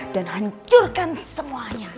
dan hancurkan semuanya